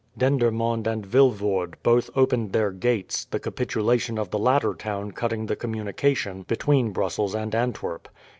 Dendermonde and Vilvoorde both opened their gates, the capitulation of the latter town cutting the communication between Brussels and Antwerp.